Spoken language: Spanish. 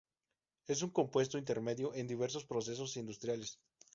Es un compuesto intermedio en diversos procesos industriales.